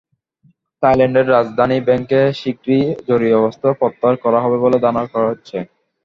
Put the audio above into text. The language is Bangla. থাইল্যান্ডের রাজধানী ব্যাংককে শিগগিরই জরুরি অবস্থা প্রত্যাহার করা হবে বলে ধারণা করা হচ্ছে।